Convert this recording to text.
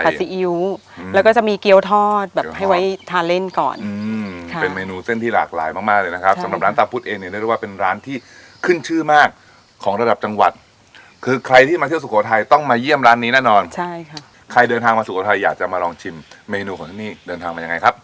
ซีอิ๊วแล้วก็จะมีเกี้ยวทอดแบบให้ไว้ทานเล่นก่อนอืมเป็นเมนูเส้นที่หลากหลายมากมากเลยนะครับสำหรับร้านตาพุทธเองเนี่ยเรียกได้ว่าเป็นร้านที่ขึ้นชื่อมากของระดับจังหวัดคือใครที่มาเที่ยวสุโขทัยต้องมาเยี่ยมร้านนี้แน่นอนใช่ค่ะใครเดินทางมาสุโขทัยอยากจะมาลองชิมเมนูของที่นี่เดินทางมายังไงครับ